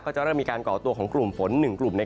จะเริ่มมีการก่อตัวของกลุ่มฝน๑กลุ่ม